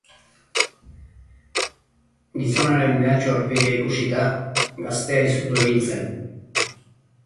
Gizonaren mehatxu-aurpegia ikusita, gaztea izutu egin zen.